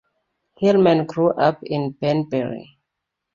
Hillman grew up in Banbury.